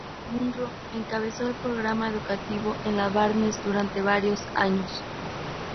Munro encabezó el Programa Educativo en la Barnes durante varios años.